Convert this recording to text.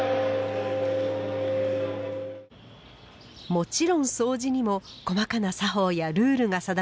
もちろんそうじにも細かな作法やルールが定められています。